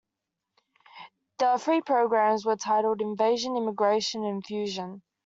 The three programmes were titled: "Invasion", "Immigration", and "Infusion".